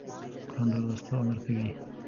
قرآن د لوست امر کوي.